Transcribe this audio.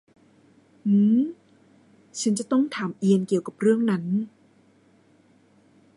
หืม ฉันจะต้องถามเอียนเกี่ยวกับเรื่องนั้น